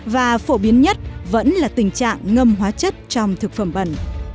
và phổ biến nhất vẫn là tình trạng ngâm hóa chất trong thực phẩm bẩn